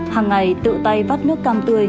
hằng ngày tự tay vắt nước cam tươi